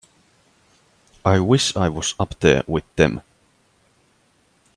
I wish I was up there with them.